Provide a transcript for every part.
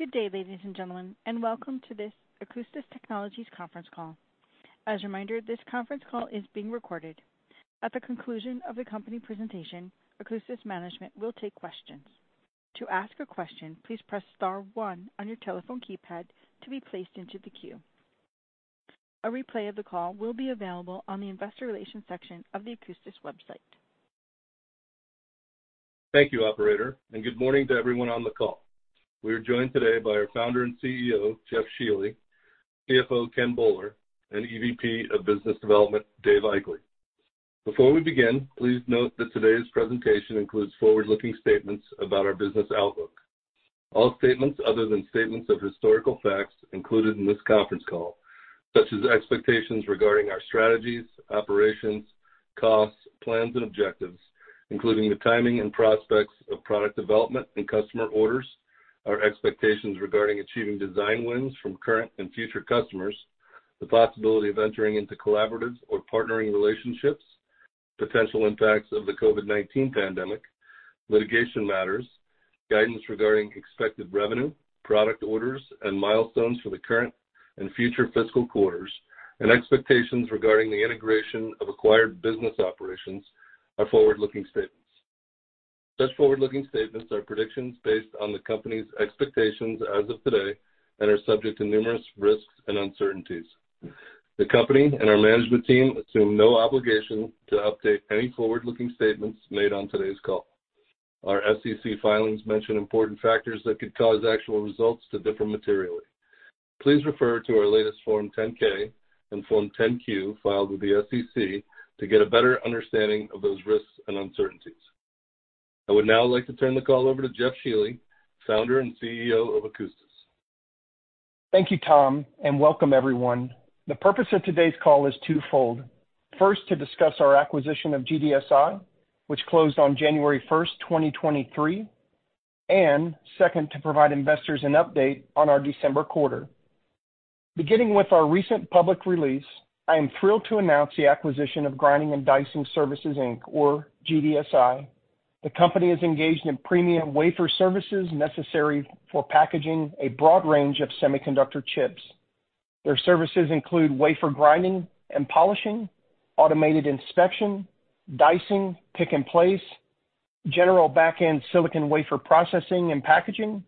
Good day, ladies and gentlemen, and welcome to this Akoustis Technologies Conference Call. As a reminder, this conference call is being recorded. At the conclusion of the company presentation, Akoustis management will take questions. To ask a question, please press star one on your telephone keypad to be placed into the queue. A replay of the call will be available on the investor relations section of the Akoustis website. Thank you, operator, and good morning to everyone on the call. We are joined today by our Founder and CEO, Jeff Shealy, CFO Ken Boller, and EVP of Business Development, David Aichele. Before we begin, please note that today's presentation includes forward-looking statements about our business outlook. All statements other than statements of historical facts included in this conference call, such as expectations regarding our strategies, operations, costs, plans, and objectives, including the timing and prospects of product development and customer orders, our expectations regarding achieving design wins from current and future customers, the possibility of entering into collaborative or partnering relationships, potential impacts of the COVID-19 pandemic, litigation matters, guidance regarding expected revenue, product orders, and milestones for the current and future fiscal quarters, and expectations regarding the integration of acquired business operations are forward-looking statements. Such forward-looking statements are predictions based on the company's expectations as of today and are subject to numerous risks and uncertainties. The company and our management team assume no obligation to update any forward-looking statements made on today's call. Our SEC filings mention important factors that could cause actual results to differ materially. Please refer to our latest Form 10-K and Form 10-Q filed with the SEC to get a better understanding of those risks and uncertainties. I would now like to turn the call over to Jeff Shealy, Founder and CEO of Akoustis. Thank you, Tom. Welcome everyone. The purpose of today's call is twofold. First, to discuss our acquisition of GDSI, which closed on January 1, 2023. Second, to provide investors an update on our December quarter. Beginning with our recent public release, I am thrilled to announce the acquisition of Grinding and Dicing Services, Inc. or GDSI. The company is engaged in premium wafer services necessary for packaging a broad range of semiconductor chips. Their services include wafer grinding and polishing, automated inspection, dicing, pick and place, general back-end silicon wafer processing and packaging,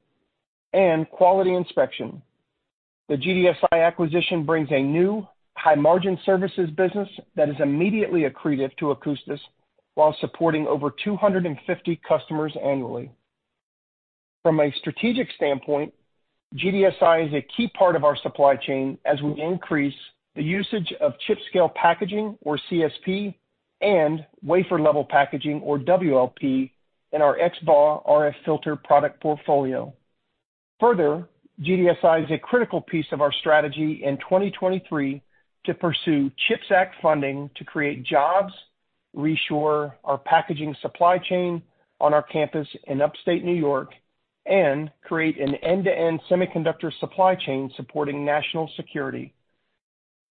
and quality inspection. The GDSI acquisition brings a new high-margin services business that is immediately accretive to Akoustis while supporting over 250 customers annually. From a strategic standpoint, GDSI is a key part of our supply chain as we increase the usage of Chip Scale Packaging, or CSP, and wafer-level packaging, or WLP, in our XBAW RF filter product portfolio. Further, GDSI is a critical piece of our strategy in 2023 to pursue CHIPS Act funding to create jobs, reshore our packaging supply chain on our campus in upstate New York, and create an end-to-end semiconductor supply chain supporting national security.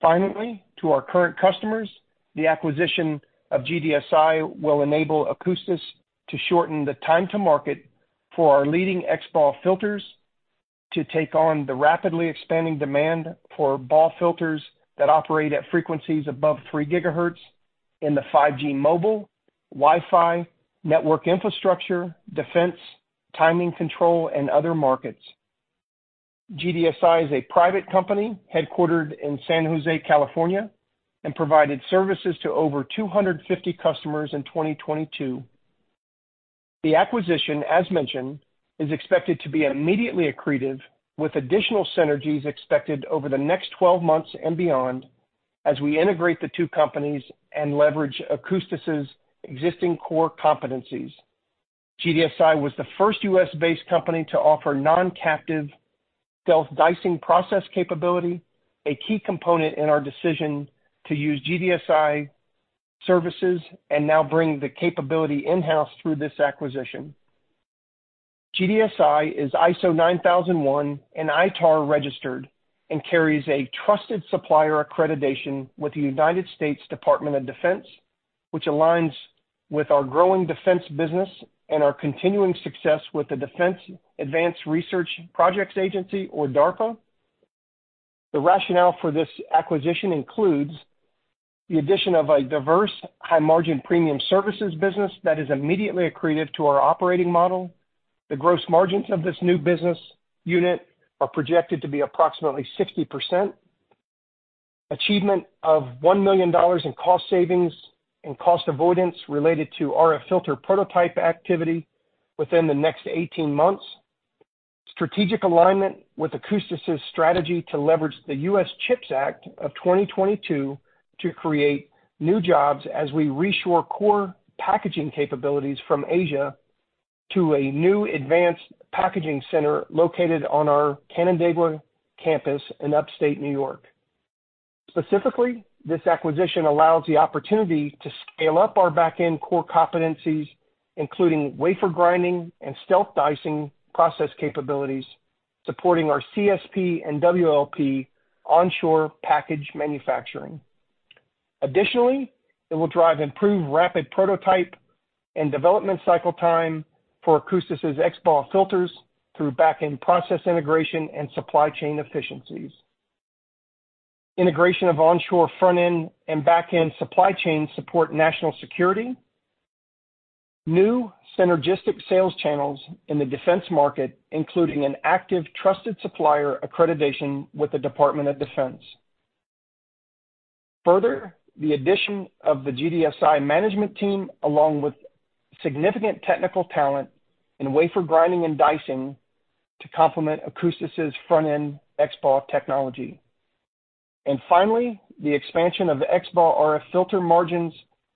Finally, to our current customers, the acquisition of GDSI will enable Akoustis to shorten the time to market for our leading XBAW filters to take on the rapidly expanding demand for BAW filters that operate at frequencies above 3 GHz in the 5G mobile, Wi-Fi, network infrastructure, defense, timing control, and other markets. GDSI is a private company headquartered in San Jose, California, and provided services to over 250 customers in 2022. The acquisition, as mentioned, is expected to be immediately accretive with additional synergies expected over the next 12 months and beyond as we integrate the two companies and leverage Akoustis' existing core competencies. GDSI was the first U.S.-based company to offer non-captive Stealth Dicing process capability, a key component in our decision to use GDSI services and now bring the capability in-house through this acquisition. GDSI is ISO 9001 and ITAR registered and carries a trusted supplier accreditation with the United States Department of Defense, which aligns with our growing defense business and our continuing success with the Defense Advanced Research Projects Agency, or DARPA. The rationale for this acquisition includes the addition of a diverse high-margin premium services business that is immediately accretive to our operating model. The gross margins of this new business unit are projected to be approximately 60%. Achievement of $1 million in cost savings and cost avoidance related to RF filter prototype activity within the next 18 months. Strategic alignment with Akoustis' strategy to leverage the US CHIPS Act of 2022 to create new jobs as we reshore core packaging capabilities from Asia to a new advanced packaging center located on our Canandaigua campus in upstate New York. This acquisition allows the opportunity to scale up our back-end core competencies, including wafer grinding and Stealth Dicing process capabilities, supporting our CSP and WLP onshore package manufacturing. It will drive improved rapid prototype and development cycle time for Akoustis' XBAW filters through back-end process integration and supply chain efficiencies. Integration of onshore front-end and back-end supply chain support national security. New synergistic sales channels in the defense market, including an active trusted supplier accreditation with the Department of Defense. The addition of the GDSI management team, along with significant technical talent in wafer grinding and dicing to complement Akoustis' front-end XBAW technology. The expansion of XBAW RF filter margins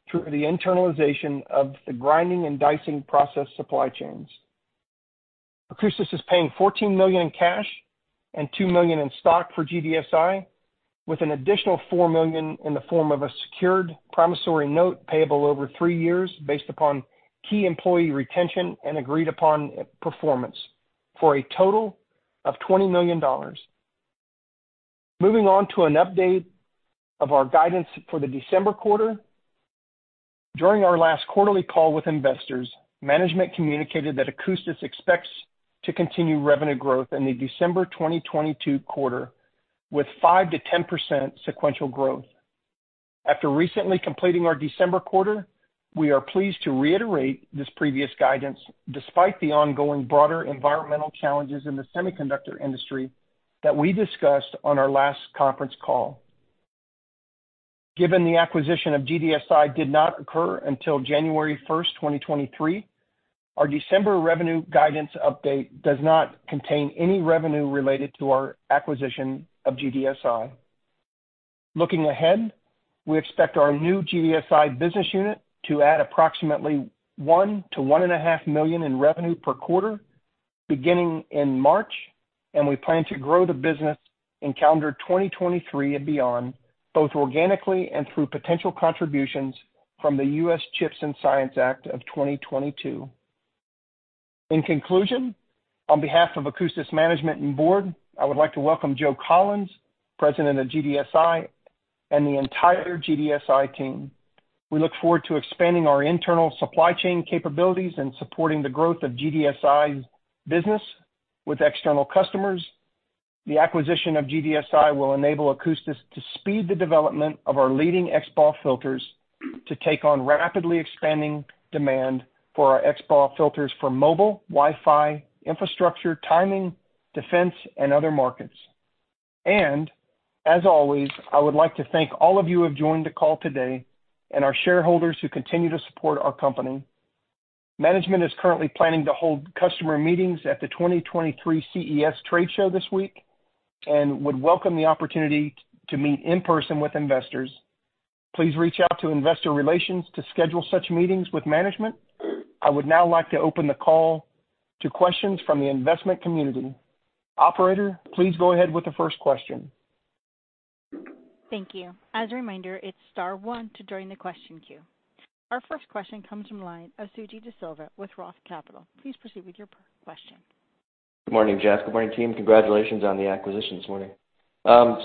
through the internalization of the grinding and dicing process supply chains. Akoustis is paying $14 million in cash and $2 million in stock for GDSI, with an additional $4 million in the form of a secured promissory note payable over three years based upon key employee retention and agreed upon performance, for a total of $20 million. Moving on to an update of our guidance for the December quarter. During our last quarterly call with investors, management communicated that Akoustis expects to continue revenue growth in the December 2022 quarter with 5%-10% sequential growth. After recently completing our December quarter, we are pleased to reiterate this previous guidance despite the ongoing broader environmental challenges in the semiconductor industry that we discussed on our last conference call. Given the acquisition of GDSI did not occur until January 1, 2023, our December revenue guidance update does not contain any revenue related to our acquisition of GDSI. Looking ahead, we expect our new GDSI business unit to add approximately $1 million-$1.5 million in revenue per quarter beginning in March, and we plan to grow the business in calendar 2023 and beyond, both organically and through potential contributions from the CHIPS and Science Act of 2022. In conclusion, on behalf of Akoustis management and board, I would like to welcome Joe Collins, President of GDSI, and the entire GDSI team. We look forward to expanding our internal supply chain capabilities and supporting the growth of GDSI's business with external customers. The acquisition of GDSI will enable Akoustis to speed the development of our leading XBAW filters to take on rapidly expanding demand for our XBAW filters for mobile, Wi-Fi, infrastructure, timing, defense, and other markets. As always, I would like to thank all of you who have joined the call today and our shareholders who continue to support our company. Management is currently planning to hold customer meetings at the 2023 CES trade show this week and would welcome the opportunity to meet in person with investors. Please reach out to investor relations to schedule such meetings with management. I would now like to open the call to questions from the investment community. Operator, please go ahead with the first question. Thank you. As a reminder, it's star one to join the question queue. Our first question comes from the line of Suji DeSilva with Roth Capital. Please proceed with your question. Good morning, Jeff. Good morning, team. Congratulations on the acquisition this morning. Can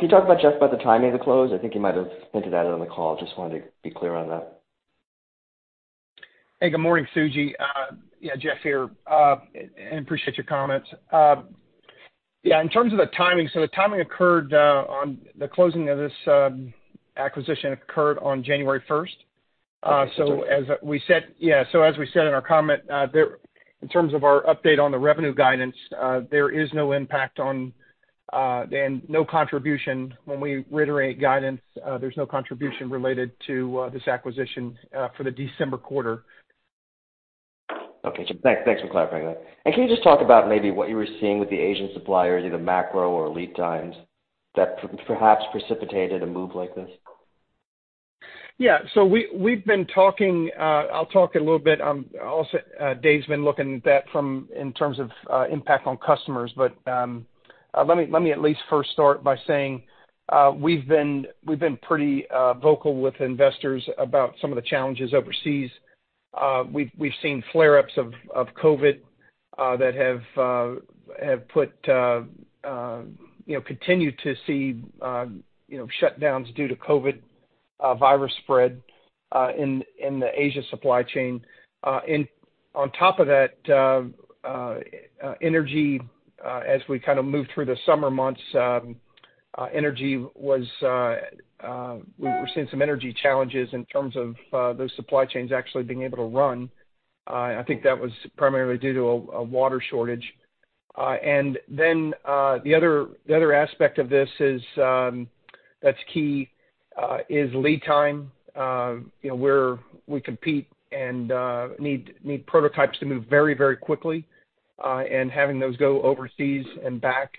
you talk about just about the timing of the close? I think you might have hinted at it on the call. Just wanted to be clear on that. Hey, good morning, Suji. Jeff here, appreciate your comments. In terms of the timing, the timing occurred on the closing of this acquisition occurred on January 1st. As we said, as we said in our comment, there, in terms of our update on the revenue guidance, there is no impact on, no contribution when we reiterate guidance, there's no contribution related to this acquisition, for the December quarter. Okay. Thanks for clarifying that. Can you just talk about maybe what you were seeing with the Asian suppliers, either macro or lead times, that perhaps precipitated a move like this? Yeah. We've been talking, I'll talk a little bit, also, Dave's been looking at that from, in terms of, impact on customers. Let me at least first start by saying, we've been pretty vocal with investors about some of the challenges overseas. We've seen flare-ups of COVID that have put, you know, continue to see, you know, shutdowns due to COVID virus spread in the Asia supply chain. On top of that, energy, as we kind of moved through the summer months, energy was, we were seeing some energy challenges in terms of those supply chains actually being able to run. I think that was primarily due to a water shortage. Then, the other aspect of this is, that's key, is lead time. You know, we compete and need prototypes to move very, very quickly. Having those go overseas and back,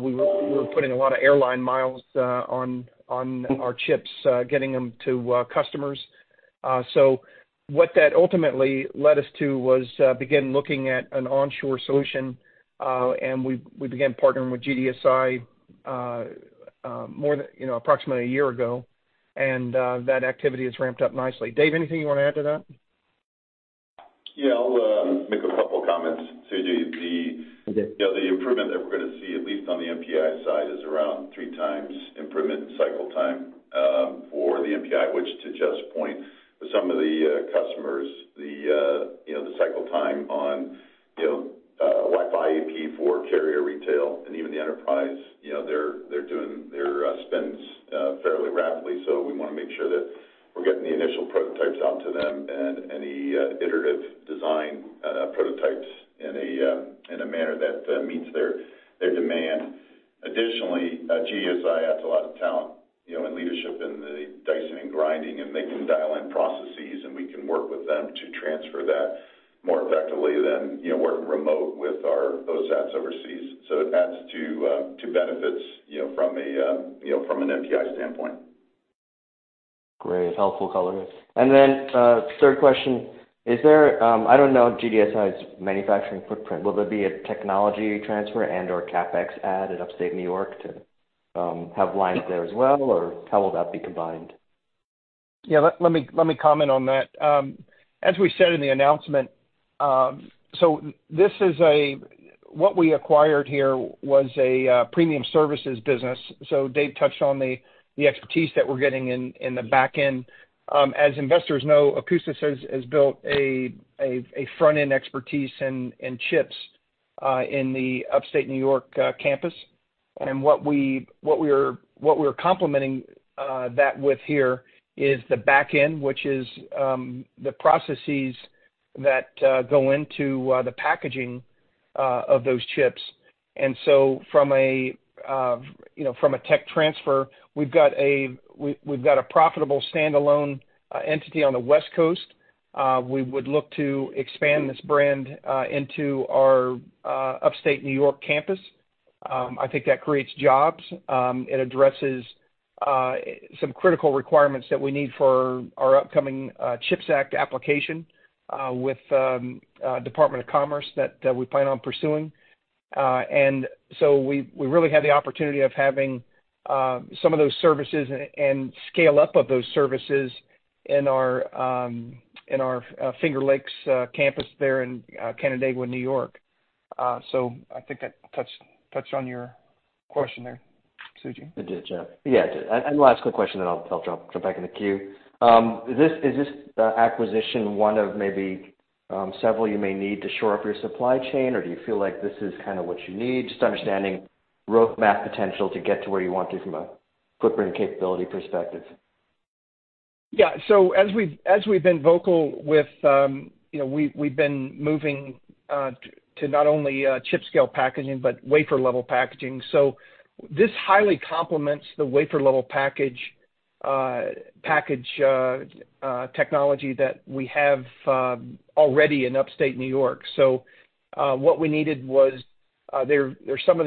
we were putting a lot of airline miles on our chips, getting them to customers. What that ultimately led us to was begin looking at an onshore solution, and we began partnering with GDSI, more than, you know, approximately a year ago. That activity has ramped up nicely. David, anything you wanna add to that? Yeah, I'll make a couple comments, Suji. Okay. The, you know, the improvement that we're gonna see, at least on the NPI side, is around 3 times improvement cycle time for the NPI, which to Jeff's point, for some of the customers, the, expertise that we're getting in the back end. As investors know, Akoustis has built a front-end expertise in chips in the Upstate New York campus. What we're complementing that with here is the back end, which is the processes that go into the packaging of those chips. From a, you know, from a tech transfer, we've got a profitable standalone entity on the West Coast. We would look to expand this brand into our Upstate New York campus. I think that creates jobs. It addresses some critical requirements that we need for our upcoming CHIPS Act application with Department of Commerce that we plan on pursuing. And so we really have the opportunity of having some of those services and scale up of those services in our in our Finger Lakes campus there in Canandaigua, New York. So I think I touched on your question there, Suji. It did, Jeff. Yeah, it did. Last quick question, then I'll drop back in the queue. Is this acquisition one of maybe several you may need to shore up your supply chain, or do you feel like this is kinda what you need? Just understanding roadmap potential to get to where you want to from a footprint and capability perspective. Yeah. As we've been vocal with, you know, we've been moving to not only chip-scale packaging, but wafer-level packaging. This highly complements the wafer-level package technology that we have already in Upstate New York. What we needed was there's some of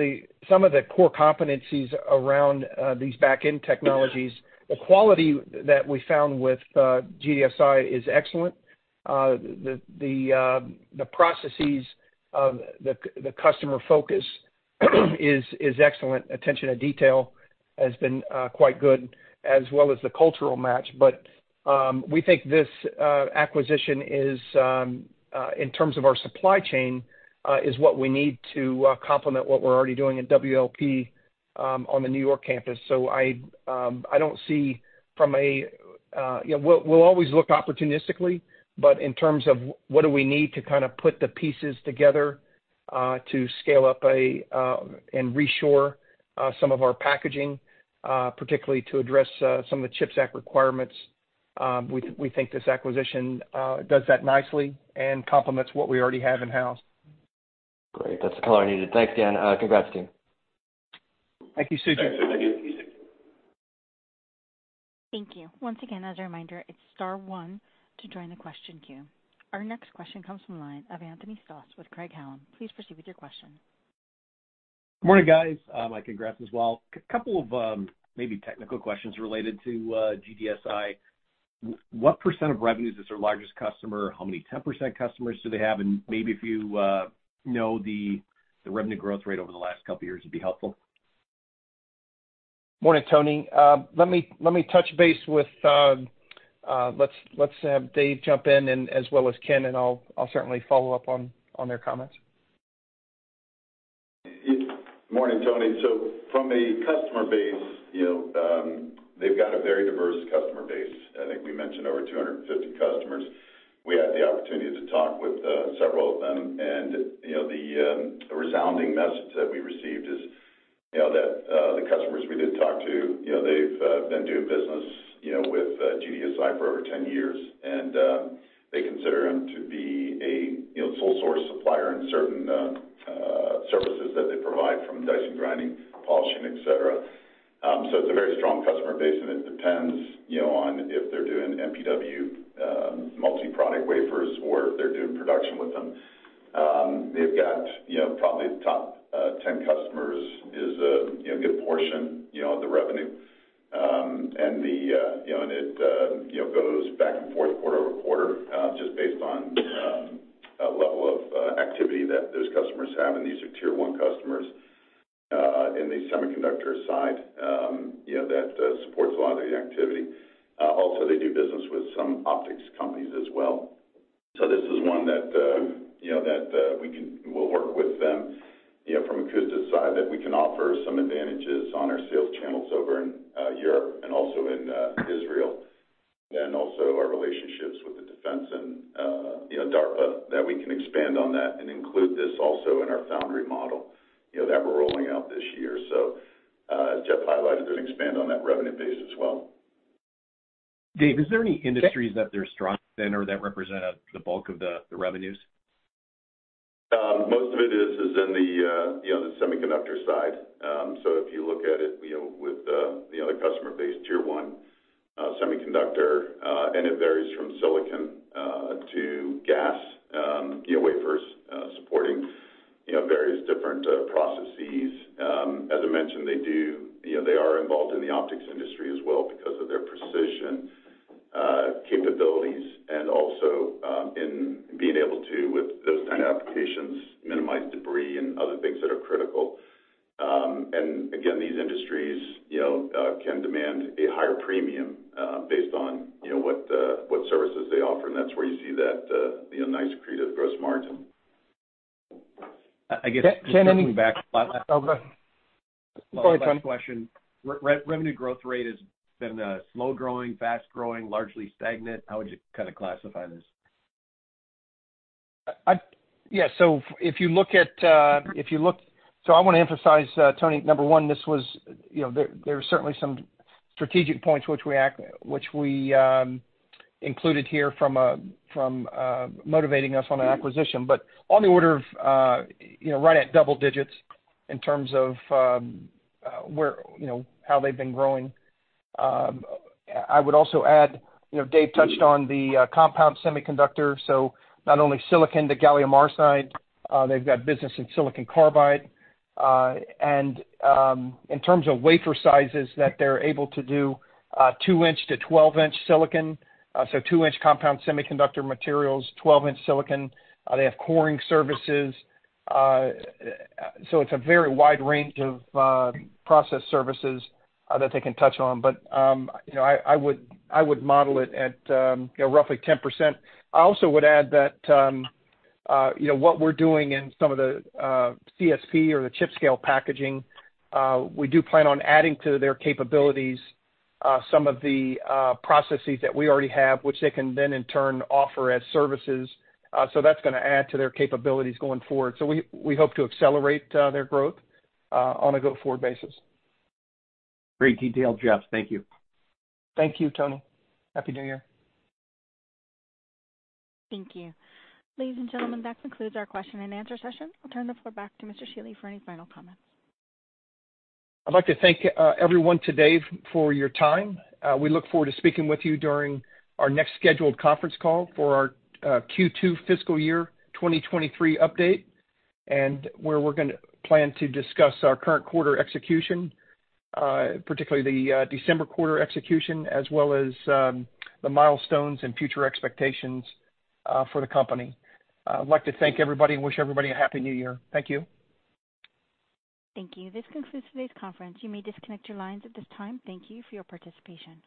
the core competencies around these back-end technologies. The quality that we found with GDSI is excellent. The processes of the customer focus is excellent. Attention to detail has been quite good, as well as the cultural match. We think this acquisition is in terms of our supply chain is what we need to complement what we're already doing at WLP on the New York campus. I don't see from a... You know, we'll always look opportunistically, but in terms of what do we need to kind of put the pieces together to scale up and reshore some of our packaging, particularly to address some of the CHIPS Act requirements, we think this acquisition does that nicely and complements what we already have in-house. Great. That's the color I needed. Thanks, Dan. Congrats, team. Thank you, Suji. Thanks. Thank you. Thank you. Once again, as a reminder, it's star one to join the question queue. Our next question comes from the line of Anthony Stoss with Craig-Hallum. Please proceed with your question. Good morning, guys. My congrats as well. Couple of, maybe technical questions related to GDSI. What percentage of revenues is their largest customer? How many 10% customers do they have? Maybe if you know the revenue growth rate over the last couple years would be helpful. Morning, Tony. let me touch base with. Let's have Dave jump in and as well as Ken, and I'll certainly follow up on their comments. Morning, Tony. From a customer base, you know, they've got a very diverse customer base. I think we mentioned over 250 customers. We had the opportunity to talk with several of them. You know, the resounding message that we received is, you know, that the customers we did talk to, you know, they've been doing business, you know, with GDSI for over 10 years, and they consider them to be a, you know, sole source supplier in certain services that they provide from dicing, grinding, polishing, et cetera. It's a very strong customer base, and it depends, you know, on if they're doing MPW, multi-product wafers or if they're doing production with them. They've got, you know, probably the top 10 customers is a, you know, good portion, you know, of the revenue. It, you know, goes back and forth quarter over quarter, just based on activity that those customers have. These are tier one customers in the semiconductor side, you know, that supports a lot of the activity. Also, they do business with some optics companies as well. This is one that, you know, that we'll work with them, you know, from Akoustis's side, that we can offer some advantages on our sales channels over in Europe and also in Israel. Also our relationships with the Defense and, you know, DARPA, that we can expand on that and include this also in our foundry model, you know, that we're rolling out this year. As Jeff highlighted, and expand on that revenue base as well. Dave, is there any industries that they're strong in or that represent the bulk of the revenues? Most of it is in the, you know, the semiconductor side. If you look at it, you know, with, you know, the customer base tier one, semiconductor, and it varies from silicon to GaN, you know, wafers, supporting, you know, various different processes. As I mentioned, they do, you know, they are involved in the optics industry as well because of their precision capabilities and also in being able to, with those kind of applications, minimize debris and other things that are critical. Again, these industries, you know, can demand a higher premium, based on, you know, what services they offer, and that's where you see that, you know, nice accretive gross margin. I guess- Can, can any- Last question. Revenue growth rate has been slow growing, fast growing, largely stagnant. How would you kinda classify this? Yeah. If you look at, I wanna emphasize, Tony, number 1, this was. There are certainly some strategic points which we included here from motivating us on an acquisition. On the order of right at double digits in terms of where how they've been growing. I would also add, Dave touched on the compound semiconductor, so not only silicon to gallium arsenide, they've got business in silicon carbide. In terms of wafer sizes that they're able to do, 2-inch to 12-inch silicon. 2-inch compound semiconductor materials, 12-inch silicon. They have coring services. It's a very wide range of process services that they can touch on. You know, I would model it at, you know, roughly 10%. I also would add that, you know, what we're doing in some of the CSP or the chip scale packaging, we do plan on adding to their capabilities, some of the processes that we already have, which they can then in turn offer as services. That's gonna add to their capabilities going forward. We hope to accelerate their growth on a go-forward basis. Great detail, Jeff. Thank you. Thank you, Tony. Happy New Year. Thank you. Ladies and gentlemen, that concludes our question and answer session. I'll turn the floor back to Mr. Shealy for any final comments. I'd like to thank everyone today for your time. We look forward to speaking with you during our next scheduled conference call for our Q2 fiscal year 2023 update, and where we're gonna plan to discuss our current quarter execution, particularly the December quarter execution, as well as the milestones and future expectations for the company. I'd like to thank everybody and wish everybody a happy New Year. Thank you. Thank you. This concludes today's conference. You may disconnect your lines at this time. Thank you for your participation.